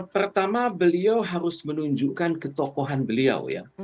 pertama beliau harus menunjukkan ketokohan beliau ya